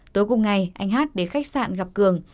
tối cùng ngày anh hát đến khách sạn gặp cường